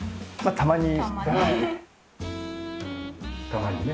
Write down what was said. たまにね。